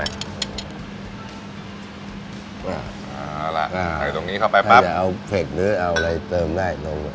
เอาล่ะเอาล่ะใส่ตรงนี้เข้าไปปั๊บถ้าอยากเอาเผ็ดเนื้อเอาอะไรเติมได้ลง